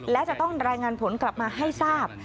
และจะต้องรายงานผลกลับมาให้ทราบ